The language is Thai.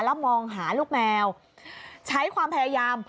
แล้วมองหาลูกแมวใช้ความพยายาม